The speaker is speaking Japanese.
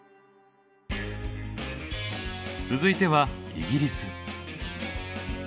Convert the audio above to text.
続いてはイギリス。